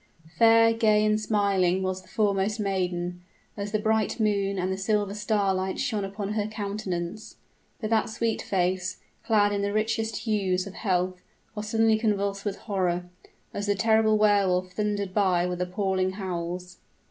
Fair, gay, and smiling was the foremost maiden, as the bright moon and the silver starlight shone upon her countenance; but that sweet face, clad in the richest hues of health, was suddenly convulsed with horror, as the terrible Wehr Wolf thundered by with appalling howls.